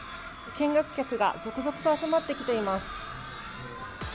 見学客が続々と集まってきています。